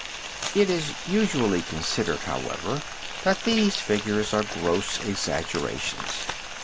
It is usually considered, however, that these figures are gross exaggerations.